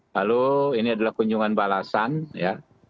lalu ini adalah kunjungan balasan ya